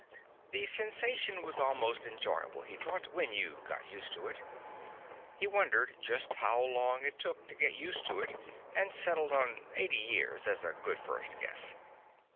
The sensation was almost enjoyable, he thought, when you got used to it. He wondered just how long it took to get used to it and settled on eighty years as a good first guess.